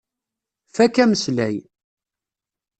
Fakk ameslay.